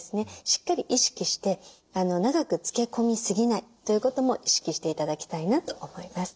しっかり意識して長くつけ込みすぎないということも意識して頂きたいなと思います。